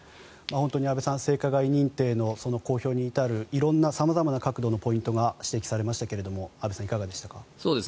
安部さん性加害認定の公表に至る色んな、様々な角度のポイントが指摘されましたがいかがでしたか。